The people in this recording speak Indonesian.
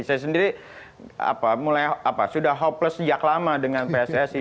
saya sendiri sudah hopeless sejak lama dengan pssi